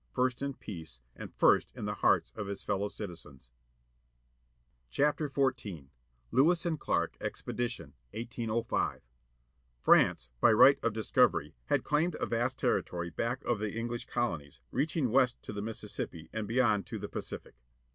First in peace, and First in ii Hi. the hearts of his fellow citizens." WASHINGTON AS PRESIDENT LEWIS AND CLARK EXPEDITION. 1805 RANGE, by right of discovery, had claimed a vast territory back of the EngHsh colonies, reaching west to the Mississippi, and beyond to the Pacific.